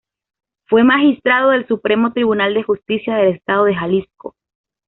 Fue magistrado del Supremo Tribunal de Justicia del Estado de Jalisco.